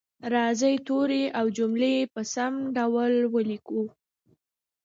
راځئ توري او جملې په سم ډول ولیکو